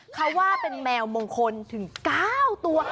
เขาว่าเป็นแมวมงคลถึง๙ตัวค่ะ